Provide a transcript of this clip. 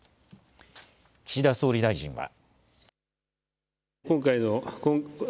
岸田総理大臣は。